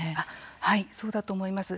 そうだと思います。